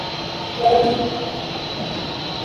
পরে তিনি মুসলমান হয়ে যান।